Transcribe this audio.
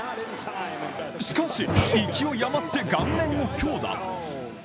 しかし、勢い余って顔面強打。